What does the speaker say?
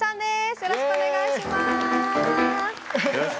よろしくお願いします。